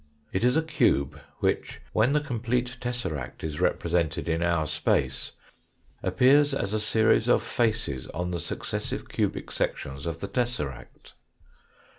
It is a cube which, when the complete tesseract is repre sented in our space, appears as a series of faces on the successive cubic sections of the tesseract.